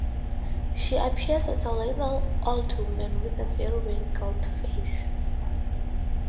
She appears as a little old woman with a very wrinkled face.